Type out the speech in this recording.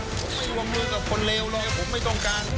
ผมไม่วงมือกับคนเลวเลยผมไม่ต้องการ